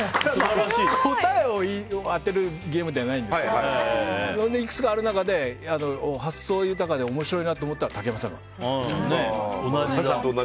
答えを当てるゲームではないんですけどいろんな理屈がある中で発想豊かで面白いなと思ったのは竹山さんの。